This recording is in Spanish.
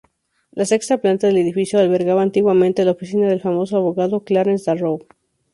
La sexta planta del edificio albergaba antiguamente la oficina del famoso abogado Clarence Darrow.